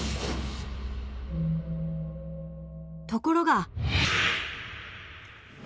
［ところが］